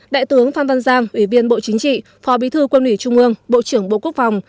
đại tướng phan văn giang ủy viên bộ chính trị phó bí thư quân ủy trung ương bộ trưởng bộ quốc phòng